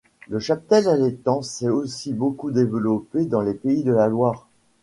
Le cheptel allaitant s’est aussi beaucoup développé dans les Pays de la Loire.